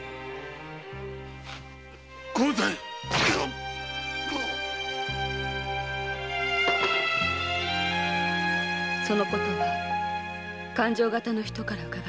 ご前その事は勘定方の人からうかがいました。